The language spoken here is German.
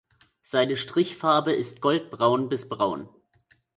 Seine Strichfarbe ist goldbraun bis braun.